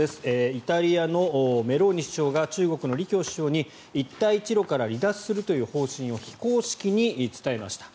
イタリアのメローニ首相が中国の李強首相に、一帯一路から離脱するという方針を非公式に伝えました。